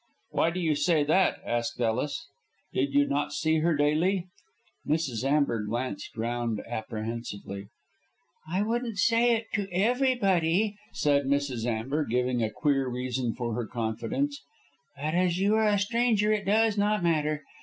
"Why do you say that?" asked Ellis. "Did you not see her daily?" Mrs. Amber glanced round apprehensively. "I wouldn't say it to everybody," said Mrs. Amber, giving a queer reason for her confidence, "but as you are a stranger it does not matter.